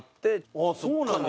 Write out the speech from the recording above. ああそうなんだ。